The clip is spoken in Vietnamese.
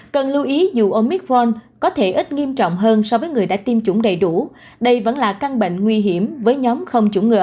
cần lưu ý dùmicron có thể ít nghiêm trọng hơn so với người đã tiêm chủng đầy đủ đây vẫn là căn bệnh nguy hiểm với nhóm không chủng ngừa